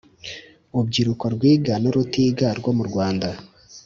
ubyiruko rwiga n urutiga rwo mu Rwanda